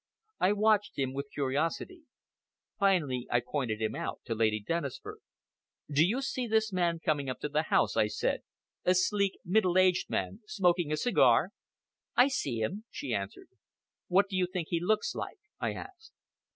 I watched him with curiosity. Finally I pointed him out to Lady Dennisford. "Do you see this man coming up to the house?" I said "a sleek, middle aged man smoking a cigar?" "I see him," she answered. "What do you think he looks like?" I asked.